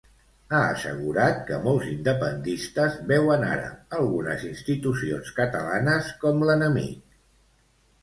Ha assegurat que molts independentistes veuen ara algunes institucions catalanes com l'enemic.